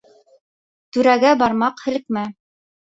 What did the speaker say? Түрәгә бармаҡ һелкмә.